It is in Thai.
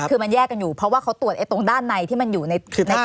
คือมันแยกกันอยู่เพราะว่าเขาตรวจตรงด้านในที่มันอยู่ใน